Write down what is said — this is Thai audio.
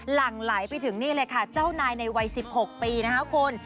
หลังไหลไปถึงนี่เลยค่ะเจ้านายในวัย๑๖ปีนะคะคุณ